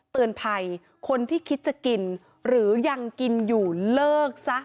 เตือนภัยคนที่คิดจะกินหรือยังกินอยู่เลิกซะ